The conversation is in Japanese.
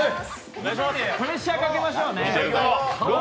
プレッシャーかけましょうね。